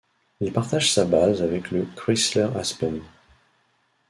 Il partage sa base avec le Chrysler Aspen.